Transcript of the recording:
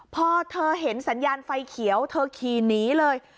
พอเธอเห็นสัญญาณไฟเขียวเธอขี่หนีเลย